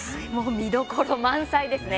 見どころ満載ですね